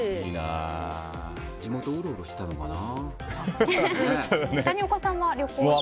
地元うろうろしてたのかな。